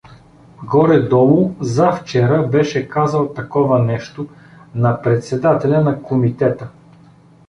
Горе-долу завчера беше казал такова нещо на председателя на комитета.